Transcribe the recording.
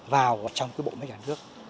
vào trong bộ mếp